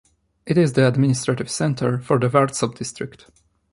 It is the administrative center for the Varzob district.